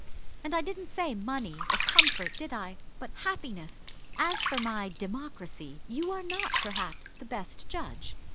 "And I didn't say 'money' or 'comfort,' did I? but 'happiness.' As for my 'democracy,' you are not perhaps the best judge."